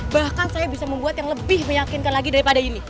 bahkan saya bisa membuat yang lebih meyakinkan lagi daripada ini